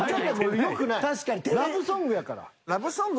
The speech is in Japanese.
ラブソングやから。